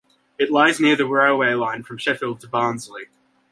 It lies near the railway line from Sheffield to Barnsley.